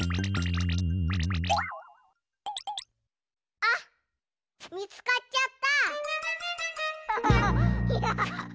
あっみつかっちゃった！